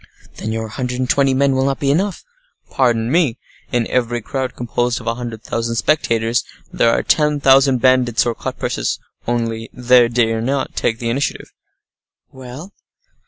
"Then your hundred and twenty men will not be enough." "Pardon me. In every crowd composed of a hundred thousand spectators, there are ten thousand bandits or cut purses—only they dare not take the initiative." "Well?"